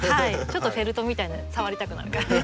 ちょっとフェルトみたいな触りたくなる感じ。